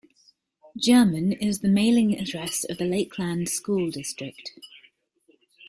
Jermyn is the mailing address of the Lakeland School District.